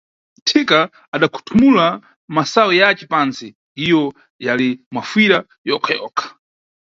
Thika adakhuthumula masayu yace pansi, iyo yali mafuyira yokha-yokha.